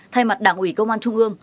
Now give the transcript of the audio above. thay mặt đảng ủy công an trung ương